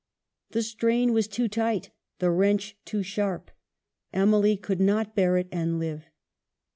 The strain was too tight, the wrench too sharp : Emily could not bear it and live.